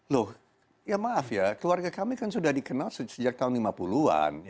loh ya maaf ya keluarga kami kan sudah dikenal sejak tahun lima puluh an